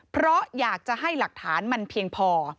เพราะอยากจะให้หลักฐานมันเพียงพอ